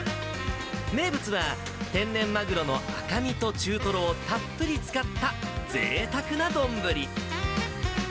名物は、天然マグロの赤身と中トロをたっぷり使ったぜいたくな丼。